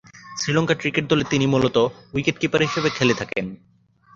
Sri Lanka cricket দলে তিনি মূলতঃ উইকেট-কিপার হিসেবে খেলে থাকেন।